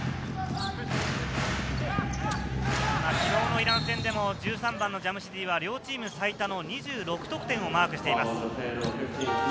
昨日のイラン戦でも１３番・ジャムシディは両チーム最多の２６得点をマークしています。